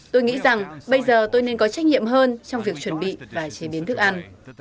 tôi nghĩ rằng bây giờ tôi nên có trách nhiệm hơn trong việc chuẩn bị và chế biến thức ăn